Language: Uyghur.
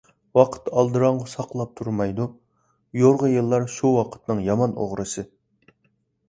ۋاقىت ئالدىراڭغۇ ساقلاپ تۇرمايدۇ، يورغا يىللار شۇ ۋاقىتنىڭ يامان ئوغرىسى.